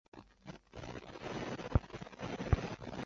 的工作是在处理及的初步听证。